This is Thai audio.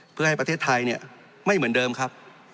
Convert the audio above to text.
เพื่อให้ประเทศไทยไม่เหมือนเดิมครับ